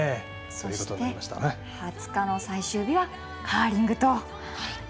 ２０日の最終日はカーリングと。